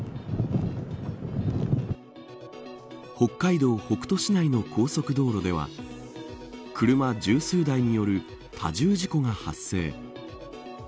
北海道北斗市内の高速道路では車十数台による多重事故が発生。